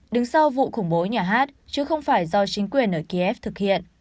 đứng sau vụ khủng bố nhà hát chứ không phải do chính quyền ở kiev thực hiện